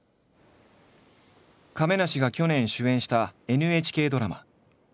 亀梨が去年主演したＮＨＫドラマ。